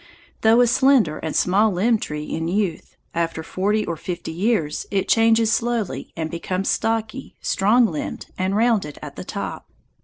Though a slender and small limbed tree in youth, after forty or fifty years it changes slowly and becomes stocky, strong limbed, and rounded at the top.